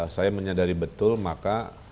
saya menyadari betul maka